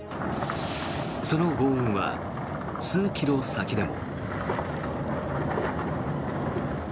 そのごう音は数キロ先でも。